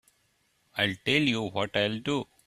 I'll tell you what I'll do.